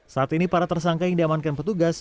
saat ini para tersangka yang diamankan petugas